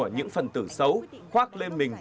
những phần tử xấu khoác lê mình